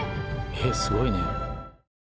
えっすごいね・